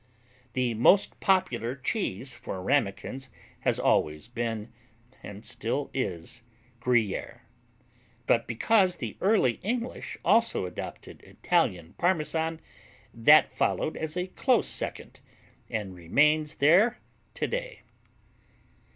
The most popular cheese for Ramekins has always been, and still is, Gruyère. But because the early English also adopted Italian Parmesan, that followed as a close second, and remains there today.